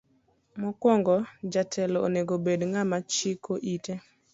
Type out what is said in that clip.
Mokuongo jatelo onego obed ng'ama chiko ite.